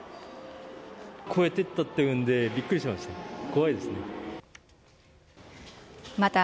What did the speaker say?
越えてったっていうんで、びっくりしました。